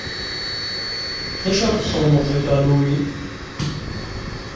D acu ara txedmem deg Halloween?